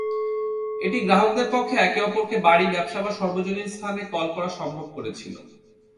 এটি গ্রাহকদের পক্ষে একে অপরকে বাড়ি, ব্যবসা, বা সর্বজনীন স্থানে কল করা সম্ভব করেছিল।